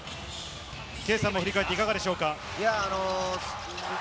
圭さんは振り返っていかがですか？